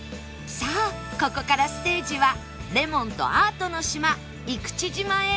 さあここからステージはレモンとアートの島生口島へ